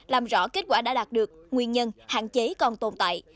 làm rõ kết quả đã đạt được nguyên nhân hạn chế còn tồn tại